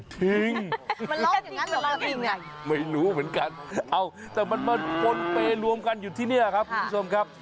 มันล้ออย่างงั้นหรอไม่รู้เหมือนกันแต่มันมันปนเปรย์รวมกันอยู่ที่นี่ครับ